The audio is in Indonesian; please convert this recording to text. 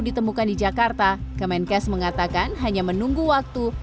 ditemukan di jakarta kemenkes mengatakan hanya menunggu waktu